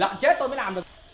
lợn chết tôi mới làm được